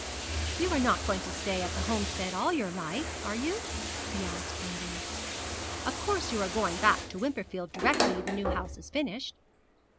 'You are not going to stay at the Homestead all your life, are you?' he asked one day. 'Of course you are going back to Wimperfield directly the new house is finished?'